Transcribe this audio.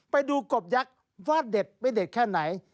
ไปดูกบยักษ์ว่าเด็ดไม่เด็ดแค่ไหน